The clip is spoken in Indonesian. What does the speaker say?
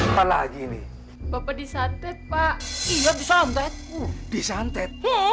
apa lagi ini bapak disantet pak iya disantet disantet